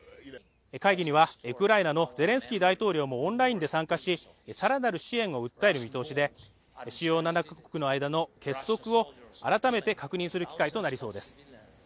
会議にはウクライナのゼレンスキー大統領もオンラインで参加し、更なる支援を訴える見通しで、主要７か国の間の結束を改めて確認する機会となりそうです。